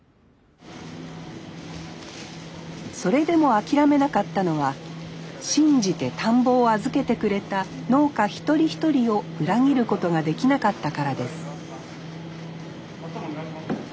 それでも諦めなかったのは信じて田んぼを預けてくれた農家一人一人を裏切ることができなかったからです